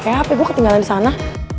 kayak hp gue ketinggalan di sana